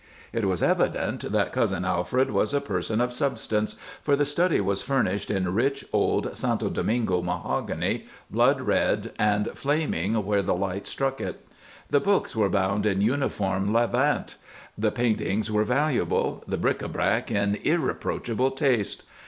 It was evident that Cousin Alfred was a person of substance, for the study was furnished in rich old Santo Domingo mahogany, blood red and flaming where the light struck it; the books were bound in uniform levant; the paintings were valuable; the bric à brac in irreproachable taste.